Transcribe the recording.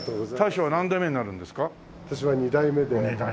私は２代目ではい。